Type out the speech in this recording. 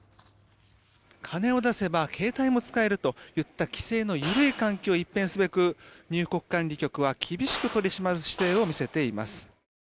金を出せば携帯も使えるといった規制のゆるい環境一変すべく入国管理局は厳しく取り締まる姿勢を見せています。